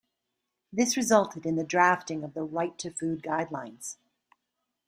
This resulted in the drafting of the Right to Food Guidelines.